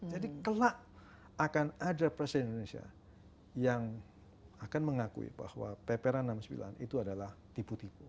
kelak akan ada presiden indonesia yang akan mengakui bahwa ppr enam puluh sembilan itu adalah tipu tipu